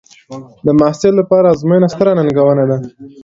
د محصل لپاره ازموینه ستره ننګونه ده.